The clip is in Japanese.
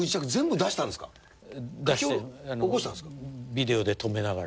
出してビデオで止めながら。